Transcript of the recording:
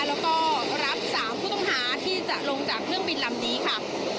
แล้วก็รับ๓ผู้ต้องหาที่จะลงจากเครื่องบินลำนี้ค่ะ